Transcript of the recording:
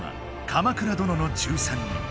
「鎌倉殿の１３人」。